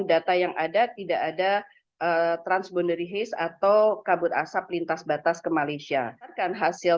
data yang ada tidak ada transbundary hase atau kabut asap lintas batas ke malaysia kan hasil